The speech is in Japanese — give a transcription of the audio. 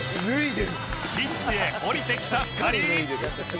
ピッチへ降りてきた２人